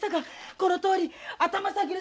このとおり頭下げる